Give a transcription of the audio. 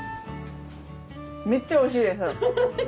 めっちゃ美味しいです。